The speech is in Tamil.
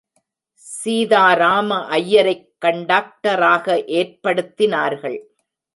சீதாராம ஐயரைக் கண்டக்டராக ஏற்படுத்தினார்கள்.